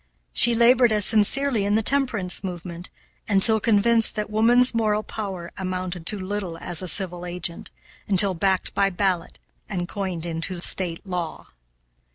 She labored as sincerely in the temperance movement, until convinced that woman's moral power amounted to little as a civil agent, until backed by ballot and coined into State law.